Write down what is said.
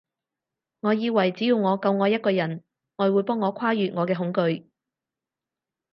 我以為只要我夠愛一個人，愛會幫我跨越我嘅恐懼